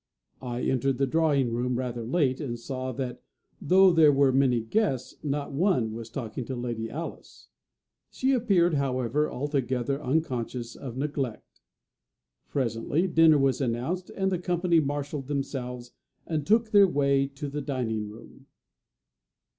I entered the drawing room rather late, and saw that, though there were many guests, not one was talking to Lady Alice. She appeared, however, altogether unconscious of neglect. Presently dinner was announced, and the company marshalled themselves, and took their way to the dining room.